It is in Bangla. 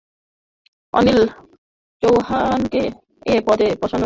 অনিল চৌহানকে এ পদে বসানোর জন্য সিডিএস নিয়োগের নিয়ম সংশোধন করতে হয়েছে।